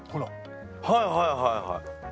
はいはいはいはい。